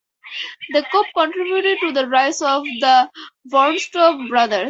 The coup contributed to the rise of the Vorontsov brothers.